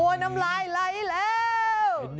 โอ้น้ำไล่เลย